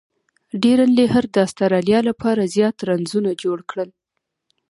ډیرن لیهر د اسټرالیا له پاره زیات رنزونه جوړ کړل.